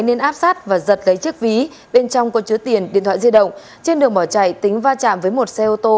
nên áp sát và giật lấy chiếc ví bên trong có chứa tiền điện thoại di động trên đường bỏ chạy tính va chạm với một xe ô tô